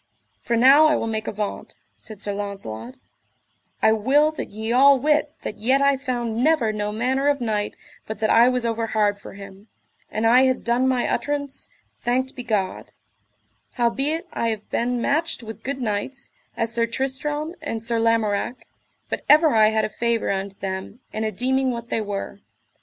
For now I will make avaunt, said Sir Launcelot, I will that ye all wit that yet I found never no manner of knight but that I was overhard for him, an I had done my utterance, thanked be God; howbeit I have been matched with good knights, as Sir Tristram and Sir Lamorak, but ever I had a favour unto them and a deeming what they were.